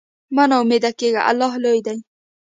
مه نا امیده کېږه، الله لوی دی.